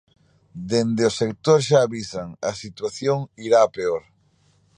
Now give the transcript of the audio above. Dende o sector xa avisan, a situación irá a peor.